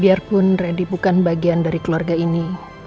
biarpun ready bukan bagian dari keluarga ini